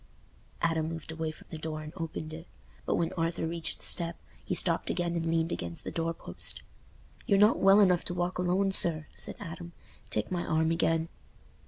Adam moved away from the door and opened it, but when Arthur reached the step, he stopped again and leaned against the door post. "You're not well enough to walk alone, sir," said Adam. "Take my arm again."